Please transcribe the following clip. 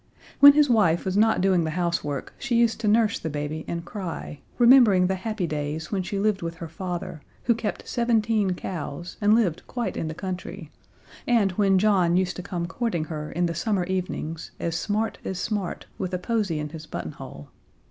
When his wife was not doing the housework she used to nurse the baby and cry, remembering the happy days when she lived with her father, who kept seventeen cows and lived quite in the country, and when John used to come courting her in the summer evenings, as smart as smart, with a posy in his buttonhole.